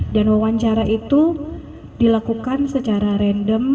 dan wawancara itu dilakukan secara reda